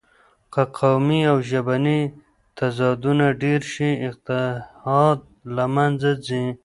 که قومي او ژبني تضادونه ډېر شي، اتحاد له منځه ځي.